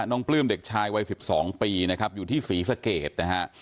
ปลื้มเด็กชายวัย๑๒ปีนะครับอยู่ที่ศรีสะเกดนะฮะ